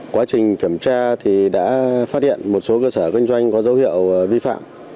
quá trình kiểm tra thì đã phát hiện một số cơ sở kinh doanh có dấu hiệu vi phạm